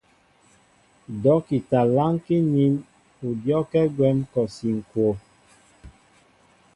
Dɔ́kita lánkí nín ú dyɔ́kɛ́ gwɛ̌m kɔsi ŋ̀kwoo.